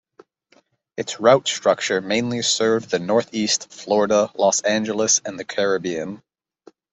Its route structure mainly served the Northeast, Florida, Los Angeles and the Caribbean.